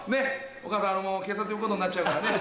お母さんもう警察呼ぶことになっちゃうからね。